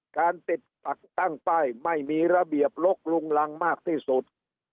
การติดปักตั้งป้ายไม่มีระเบียบลกลุงรังมากที่สุด